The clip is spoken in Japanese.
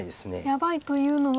やばいというのは。